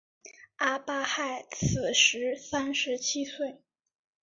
阿巴亥其时三十七岁。